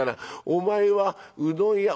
お前はうどん屋」。